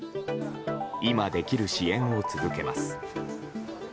今できる支援を続けます。